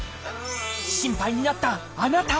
心配になったあなた！